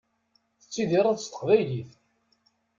Tettidireḍ s teqbaylit.